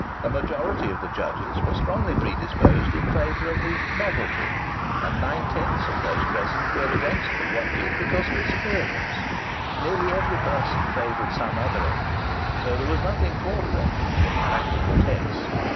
A majority of the judges was strongly predisposed in favour of the "Novelty," and nine tenths of those present were against the "Rocket" because of its appearance. Nearly every person favoured some other engine, so that there was nothing for the "Rocket" but the practical test.